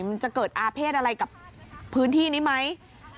มันจะเกิดอาเภษอะไรกับพื้นที่นี้ไหม